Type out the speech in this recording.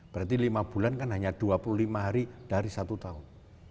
berarti lima bulan kan hanya dua puluh lima hari dari satu tahun